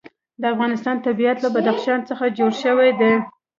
د افغانستان طبیعت له بدخشان څخه جوړ شوی دی.